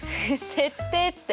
設定って。